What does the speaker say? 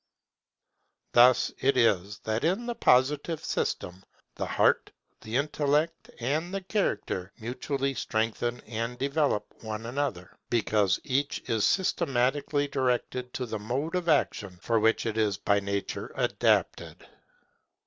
Thus it is that in the Positive system, the Heart, the Intellect, and the Character mutually strengthen and develop one another, because each is systematically directed to the mode of action for which it is by nature adapted.